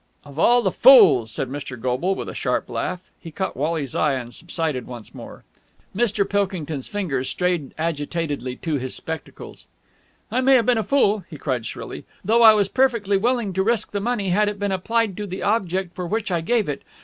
"Of all the fools!" said Mr. Goble with a sharp laugh. He caught Wally's eye and subsided once more. Mr. Pilkington's fingers strayed agitatedly to his spectacles. "I may have been a fool," he cried shrilly, "though I was perfectly willing to risk the money had it been applied to the object for which I gave it.